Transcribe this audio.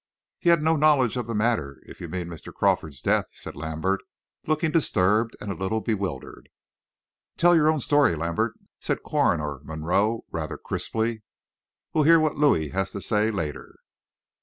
"He had no knowledge of the matter, if you mean Mr. Crawford's death," said Lambert, looking disturbed and a little bewildered. "Tell your own story, Lambert," said Coroner Monroe, rather crisply. "We'll hear what Louis has to say later."